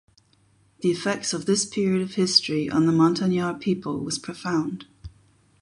The effects of this period of history on the Montagnard people was profound.